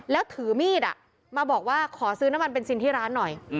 แล้วถือมีดมาบอกว่าขอซื้อน้ำมันเบนซินที่ร้านหน่อย